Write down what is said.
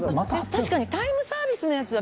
確かにタイムサービスのやつはピンクだわ。